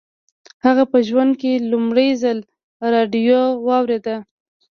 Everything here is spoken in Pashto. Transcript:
هغه په ژوند کې لومړي ځل راډيو واورېده.